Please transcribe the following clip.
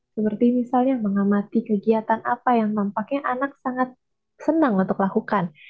jadi misalnya mengamati kegiatan apa yang nampaknya anak sangat senang untuk lakukan